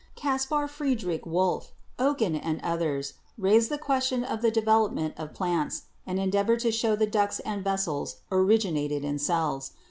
"Caspar Friedrich Wolff, Oken, and others, raised the question of the development of plants, and endeavored to show that the ducts and vessels originated in cells.